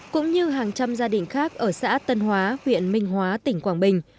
cũng như hàng trăm gia đình khác ở xã tân hóa huyện minh hóa tỉnh quảng bình